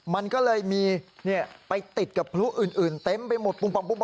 มันก็เลยมีไปติดกับพลุอื่นเต็มไปหมด